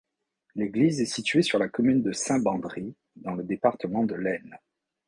L'église est située sur la commune de Saint-Bandry, dans le département de l'Aisne.